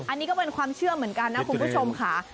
อันนี้ก็เป็นความเชื่อเหมือนกันนะคุณผู้ชมค่ะ